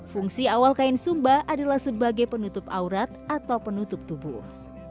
fungsi awal kain sumba adalah sebagai penutup aurat atau penutup tubuh